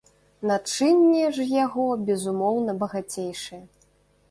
Начынне ж яго, безумоўна, багацейшае.